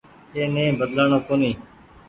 اي ني بدلآڻو ڪونيٚ ۔